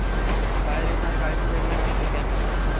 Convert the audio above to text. বাইরে তার গাড়িতে দেখলাম একটা ক্যামেরা।